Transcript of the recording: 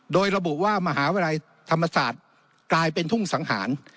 โดยระบุว่ามหาวิทยาลัยธรรมศาสตร์กลายเป็นทุ่งสังหาร